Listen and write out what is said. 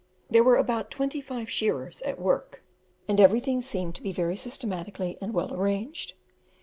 There were about twenty five shearers at work, and everything seemed to be very systematically and well arranged.